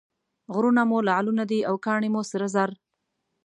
غرونه مو لعلونه دي او کاڼي مو سره زر.